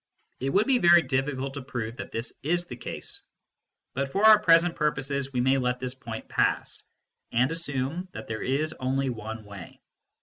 It would be very difficult to prove that this is the case, but for our present purposes we may let this point pass, and assume that there is only one way.